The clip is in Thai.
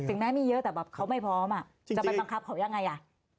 สิ่งนั้นมีเยอะแต่แบบเขาไม่พร้อมอ่ะจะเป็นบังคับเขายังไงอ่ะ